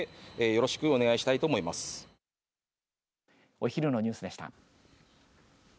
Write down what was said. お昼のニュースでした。